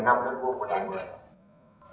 có các nhà doanh nghiệp